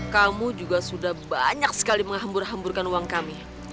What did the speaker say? kamu juga sudah banyak sekali menghambur hamburkan uang kami